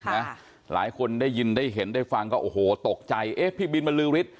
หลายคนได้ยินได้เห็นได้ฟังก็โอ้โหตกใจเอ๊ะพี่บินบรือฤทธิ